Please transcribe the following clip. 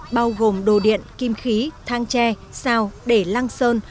bao gồm đồ điện kim khí thang tre sao để lăng sơn